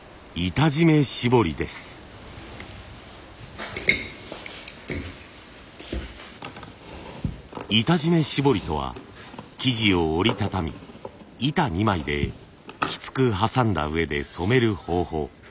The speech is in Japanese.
板締め絞りとは生地を折り畳み板２枚できつく挟んだうえで染める方法。